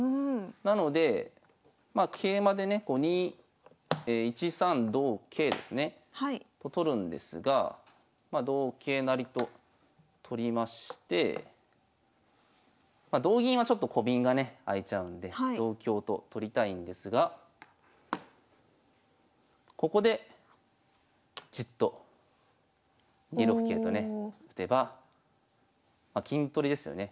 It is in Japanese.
なのでまあ桂馬でね１三同桂ですねと取るんですがま同桂成と取りましてま同銀はちょっとコビンがね開いちゃうので同香と取りたいんですがここでじっと２六桂とね打てばま金取りですよね